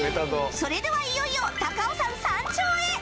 それではいよいよ高尾山山頂へ！